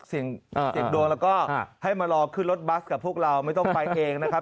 เสี่ยงดวงแล้วก็ให้มารอขึ้นรถบัสกับพวกเราไม่ต้องไปเองนะครับ